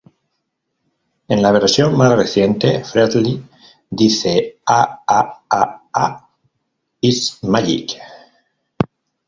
En la versión más reciente, Freddie dice "Ha, ha, ha, ha... It's magic!